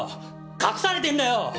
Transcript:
隠されてんだよ！